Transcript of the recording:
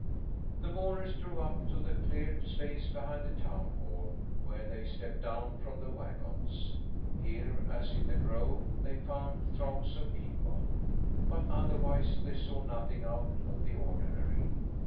The mourners drove up to the cleared space behind the town hall, where they stepped down from the wagons. Here, as in the grove, they found throngs of people, but otherwise they saw nothing out of the ordinary.